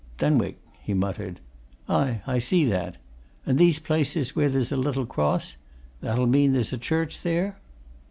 "Denwick?" he muttered. "Aye I see that. And these places where there's a little cross? that'll mean there's a church there?"